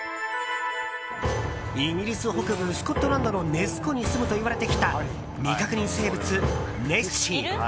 イギリス北部スコットランドのネス湖にすむといわれてきた未確認生物ネッシー。